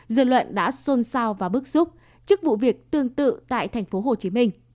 dự luận đã xôn xao và bức xúc trước vụ việc tương tự tại thành phố hồ chí minh